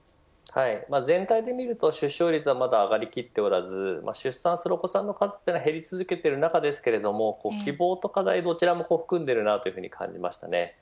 全体で見ると出生率はまだ上がりきっておらず出産するお子さんの数は減り続けている中で希望と課題どちらも含んでいると思います。